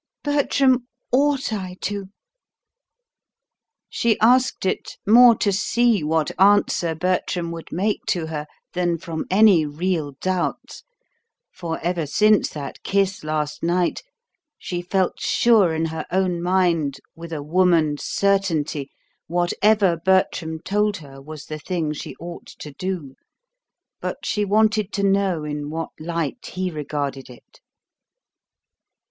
Bertram, ought I to?" She asked it, more to see what answer Bertram would make to her than from any real doubt; for ever since that kiss last night, she felt sure in her own mind with a woman's certainty whatever Bertram told her was the thing she ought to do; but she wanted to know in what light he regarded it.